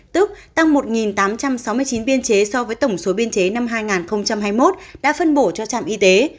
tức tăng một tám trăm sáu mươi chín biên chế so với tổng số biên chế năm hai nghìn hai mươi một đã phân bổ cho trạm y tế